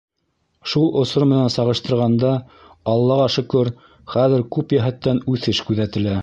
Шул осор менән сағыштырғанда, Аллаға шөкөр, хәҙер күп йәһәттән үҫеш күҙәтелә.